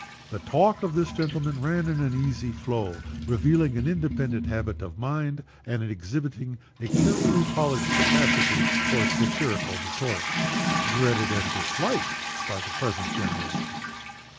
The talk of this gentleman ran in an easy flow revealing an independent habit of mind, and exhibiting a carefully polished capacity for satirical retort dreaded and disliked by the present generation.